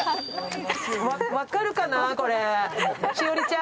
分かるかな、これ。